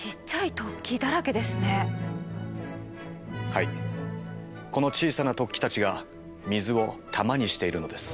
はいこの小さな突起たちが水を玉にしているのです。